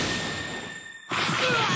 うわっ！